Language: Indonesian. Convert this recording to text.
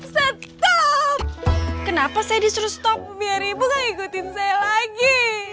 stop kenapa saya disuruh stop biar ibu gak ngikutin saya lagi